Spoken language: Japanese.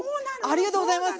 ありがとうございます！